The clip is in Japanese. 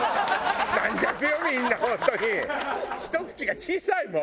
１口が小さい！